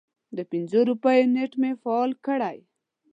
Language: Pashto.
د پنځو روپیو نیټ مې فعال کړی